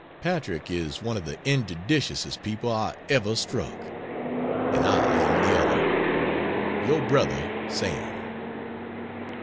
Patrick is one of the injudiciousest people I ever struck. And I am the other. Your Brother SAM.